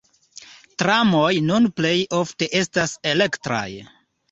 Tramoj nun plej ofte estas elektraj.